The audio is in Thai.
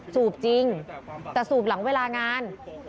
สูบจริงแต่สูบหลังเวลางาน